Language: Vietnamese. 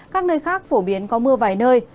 các nơi khác phổ biến có mưa vài nơi